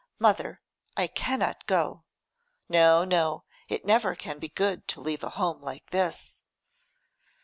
'Mother, I cannot go. No, no, it never can be good to leave a home like this.